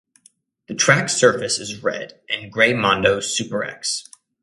The track surface is Red and Grey Mondo Super X.